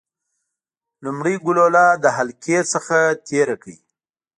لومړی ګلوله له حلقې څخه تیره کړئ.